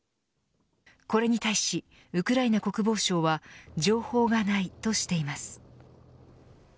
これに対し、ウクライナ国防省は情報がないとしています。